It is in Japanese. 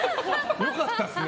良かったですね